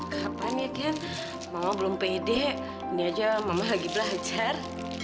kapan ya dia mama belum pede ini aja mama lagi belajar